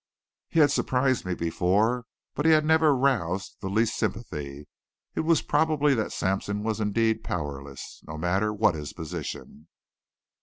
He had surprised me before, but he had never roused the least sympathy. It was probably that Sampson was indeed powerless, no matter what his position.